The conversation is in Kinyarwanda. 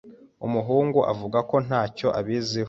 Umuhungu avuga ko ntacyo abiziho.